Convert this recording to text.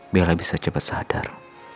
bella bisa cepet sadar